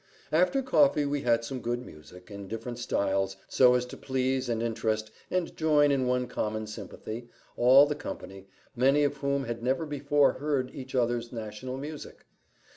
After coffee we had some good music, in different styles, so as to please, and interest, and join in one common sympathy, all the company, many of whom had never before heard each other's national music.